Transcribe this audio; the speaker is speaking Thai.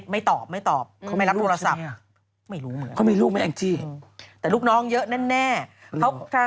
ไม่รับโทรศัพท์